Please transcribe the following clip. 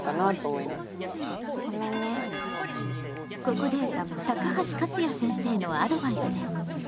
ここで高橋勝也先生のアドバイスです。